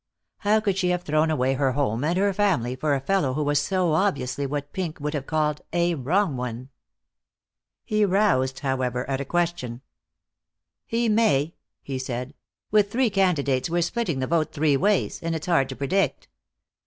How could she have thrown away her home and her family for a fellow who was so obviously what Pink would have called "a wrong one"? He roused, however, at a question. "He may," he said; "with three candidates we're splitting the vote three ways, and it's hard to predict.